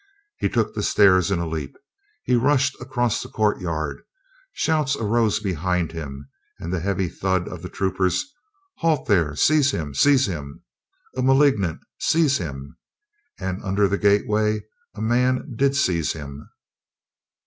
He took the stairs in a leap, he rushed across the courtyard. Shouts arose behind him and the hea\y thud of the troopers. "Halt there! Seize him! Seize him! A malignant! Seize him!" And under the gateway a man did seize him.